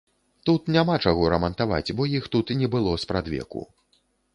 Тут няма чаго рамантаваць, бо іх тут не было спрадвеку.